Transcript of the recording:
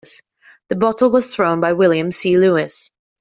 The bottle was thrown by William C Lewis.